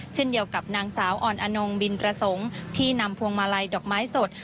เช่นเดียวกับนางสาวอ่อนอนงบินประสงค์ที่นำพวงมาลัยดอกไม้สด